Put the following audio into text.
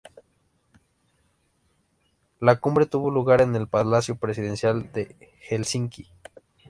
La cumbre tuvo lugar en el Palacio Presidencial de Helsinki.